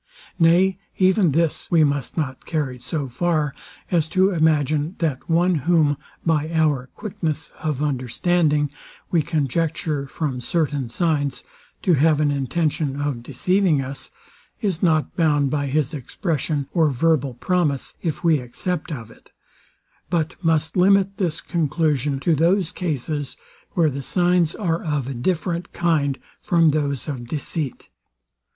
Nay, even this we must not carry so far as to imagine, that one, whom, by our quickness of understanding, we conjecture, from certain signs, to have an intention of deceiving us, is not bound by his expression or verbal promise, if we accept of it; but must limit this conclusion to those cases, where the signs are of a different kind from those of deceit.